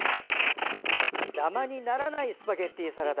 ダマにならないスパゲッティサラダ。